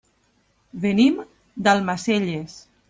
Venim d'Almacelles.